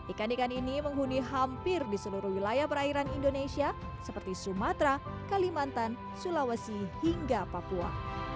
ikan ikan ini menghuni hampir di seluruh wilayah perairan indonesia seperti sumatera kalimantan sulawesi hingga papua